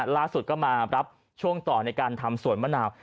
ล่าสุดก็มารับช่วงต่อในการทำสวนมะนาว